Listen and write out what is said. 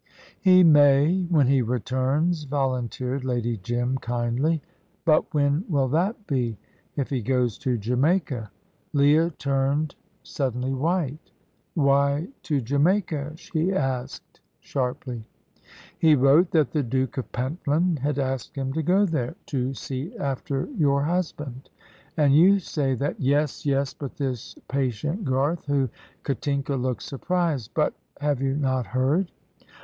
"He may, when he returns," volunteered Lady Jim, kindly. "But when will that be? If he goes to Jamaica " Leah turned suddenly white. "Why to Jamaica?" she asked sharply. "He wrote that the Duke of Pentland had asked him to go there, to see after your husband. And you say that " "Yes, yes; but this patient Garth, who " Katinka looked surprised. "But have you not heard?"